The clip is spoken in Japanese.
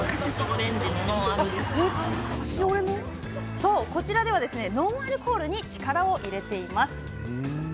そう、こちらではノンアルコールに力を入れています。